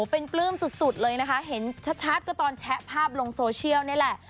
เป็นปลื้มสุดเลยนะคะเห็นชัดก็ตอนแชะภาพลงโซเชียลนี่แหละ